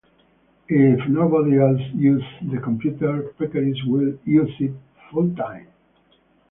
If nobody else uses the computer, Pekeris will use it full time!